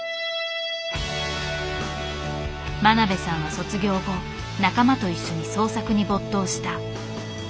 真鍋さんは卒業後仲間と一緒に創作に没頭した。